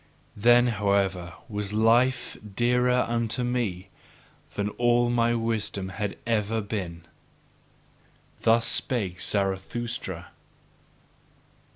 Then, however, was Life dearer unto me than all my Wisdom had ever been. Thus spake Zarathustra.